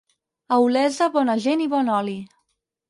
A Olesa, bona gent i bon oli.